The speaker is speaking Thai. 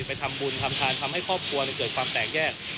ไปทำบุญทำทานทำให้ครอบครัวเกิดความแตกแยก